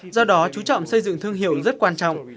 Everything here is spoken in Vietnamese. do đó chú trọng xây dựng thương hiệu rất quan trọng